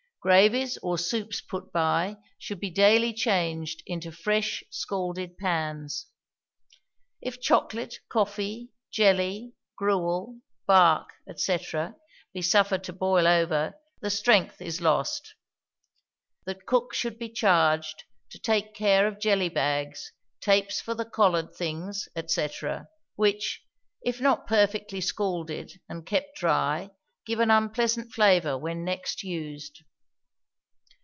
Gravies or soups put by, should be daily changed into fresh scalded pans. If chocolate, coffee, jelly, gruel, bark, &c., be suffered to boil over, the strength is lost. The cook should be charged to take care of jelly bags, tapes for the collared things, &c., which, if not perfectly scalded and kept dry, give an unpleasant flavor when next used.